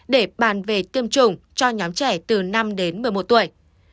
để bàn về tiêm chủng cho nhóm trẻ từ năm đến một mươi một tuổi